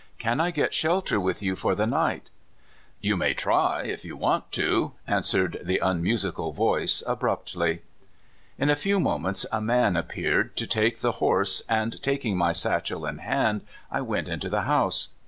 Can I get shelter with you for the night? "" You may try it if you want to," answered the unmusical voice abruptly. In a few moments a man appeared to take the horse, and, taking my satchel in hand, I went into the house.